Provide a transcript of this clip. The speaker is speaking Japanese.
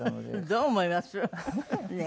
どう思います？ねえ。